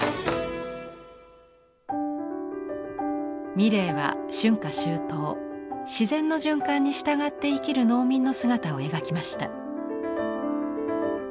ミレーは春夏秋冬自然の循環に従って生きる農民の姿を描きました。